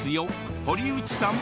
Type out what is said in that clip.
堀内さん。